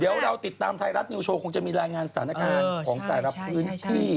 เดี๋ยวเราติดตามไทยรัฐนิวโชว์คงจะมีรายงานสถานการณ์ของแต่ละพื้นที่